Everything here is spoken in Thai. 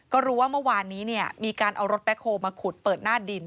ก็รู้ว่าเมื่อวานนี้มีการเอารถแบ็คโฮลมาขุดเปิดหน้าดิน